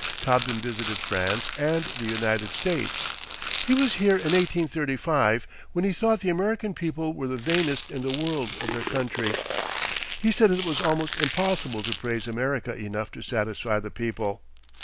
Cobden visited France and the United States. He was here in 1835, when he thought the American people were the vainest in the world of their country. He said it was almost impossible to praise America enough to satisfy the people.